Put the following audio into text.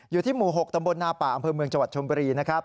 อยู่ที่หมู่๖ตำบลนาป่าอำเภอเมืองจังหวัดชมบุรีนะครับ